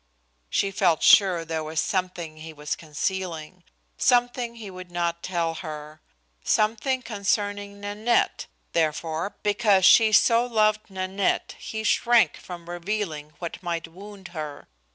She felt sure there was something he was concealing; something he would not tell her; something concerning Nanette, therefore, because she so loved Nanette, he shrank from revealing what might wound her.